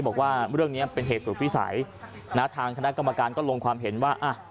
บอกว่าเรื่องนี้เป็นเหตุสูตรพิสัยนะทางคณะกรรมการก็ลงความเห็นว่าอ่ะ